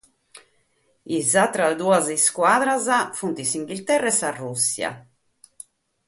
Sas àteras duas iscuadras sunt s'Inghilterra e sa Rùssia.